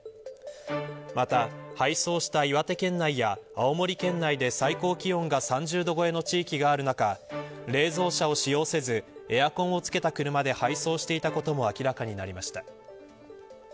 また配送した岩手県内や青森県内で最高気温が３０度超えの地域がある中冷蔵車を使用せずエアコンをつけた車で配送していたことも明らかになりました。